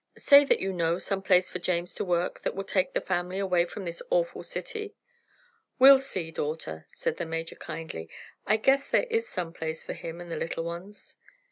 "Say that you know some place for James to work that will take the family away from this awful city." "We'll see, daughter," said the major kindly. "I guess there is some place for him and the little ones."